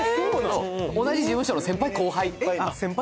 同じ事務所の先輩後輩先輩